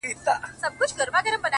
زما د هر شعر نه د هري پيغلي بد راځي،